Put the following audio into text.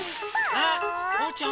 あっおうちゃん